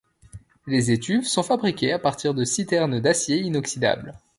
Les étuves sont fabriquées à partir de citernes d’acier inoxydable.